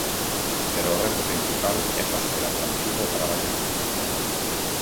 Pero o reto principal é facer atractivo o traballo no mar.